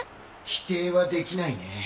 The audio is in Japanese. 否定はできないね。